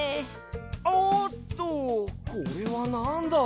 おっとこれはなんだ？